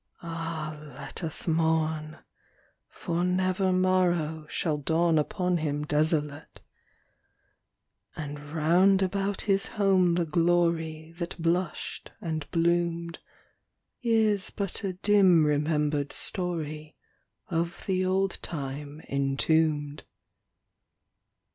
(Ah, let us mourn! for never morrow Shall dawn upon him desolate !) And round about his home the glory That blushed and bloomed, Is but a dim remembered story Of the old time entombed.